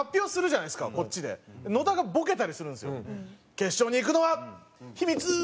「決勝に行くのは秘密ー！」